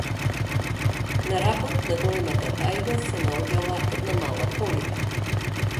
На работ на големата тајга се наоѓала една мала колиба.